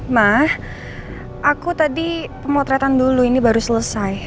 mah aku tadi pemotretan dulu ini baru selesai